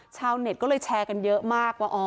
ชาวเน็ตก็เลยแชร์กันเยอะมากว่า